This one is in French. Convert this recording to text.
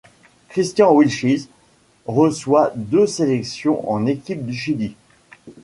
Christian Vilches reçoit deux sélections en équipe du Chili.